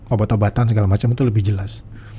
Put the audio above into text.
obat obatan segala macam itu lebih jelas